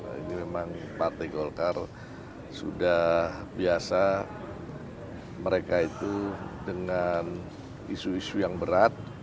ini memang partai golkar sudah biasa mereka itu dengan isu isu yang berat